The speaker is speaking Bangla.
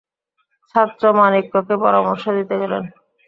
ছত্রমাণিক্যকে পরামর্শ দিতে গেলেন।